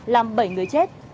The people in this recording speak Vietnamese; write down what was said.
làm bảy người chết